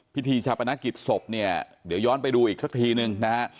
พิธีชาปนกิจศพเนี่ยเดี๋ยวย้อนไปดูอีกสักทีนึงนะฮะ